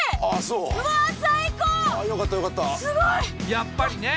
やっぱりね。